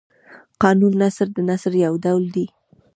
قانوني نثر د نثر یو ډول دﺉ.